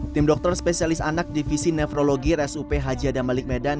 tim dokter spesialis anak divisi nefrologi rsup haji adam malik medan